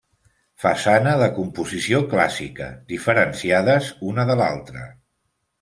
Façana de composició clàssica, diferenciades una de l'altra.